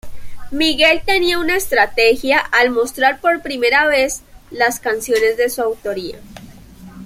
Miguel tenía una estrategia al mostrar por primera vez las canciones de su autoría.